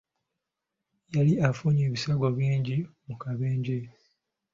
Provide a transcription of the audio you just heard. Yali afunye ebisago bingi mu kabenja.